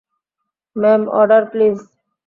Ma'am, order please.